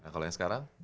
kalau yang sekarang